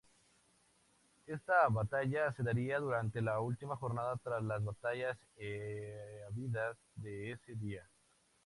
Esta batalla se daría durante la última jornada tras las batallas habidas ese día.